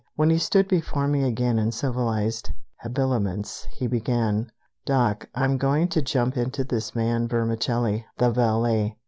When he stood before me again in civilized habiliments, he began: "Doc, I'm going to jump onto this man Vermicelli, the valet.